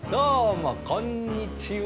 こんにちは。